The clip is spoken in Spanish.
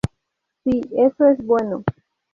Sí, eso es bueno.